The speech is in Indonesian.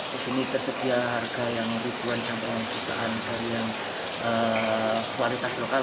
di sini tersedia harga yang ribuan jutaan dari yang kualitas lokal